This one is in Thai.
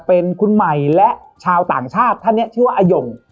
เป็นคุณใหม่และชาวต่างชาติท่านนี้ชื่อว่าอยง